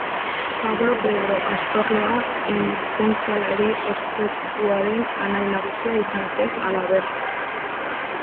Pablo Pedro Astarloa hizkuntzalari ospetsuaren anaia nagusia izan zen halaber.